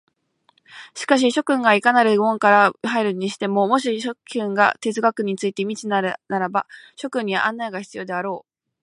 しかし諸君がいかなる門から入るにしても、もし諸君が哲学について未知であるなら、諸君には案内が必要であろう。